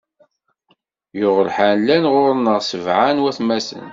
Yuɣ lḥal, llan ɣur-neɣ sebɛa n watmaten.